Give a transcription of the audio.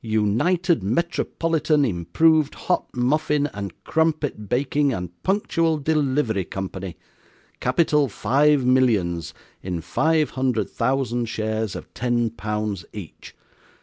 "United Metropolitan Improved Hot Muffin and Crumpet Baking and Punctual Delivery Company. Capital, five millions, in five hundred thousand shares of ten pounds each."